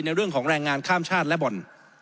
เรื่องของแรงงานข้ามชาติและบ่อน